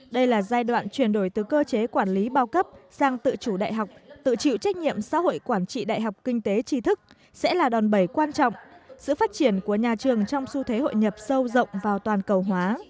đây là giai đoạn chuyển đổi từ cơ chế quản lý bao cấp sang tự chủ đại học tự chịu trách nhiệm xã hội quản trị đại học kinh tế tri thức sẽ là đòn bẩy quan trọng sự phát triển của nhà trường trong xu thế hội nhập sâu rộng vào toàn cầu hóa